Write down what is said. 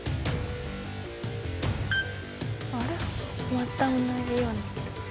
また同じような。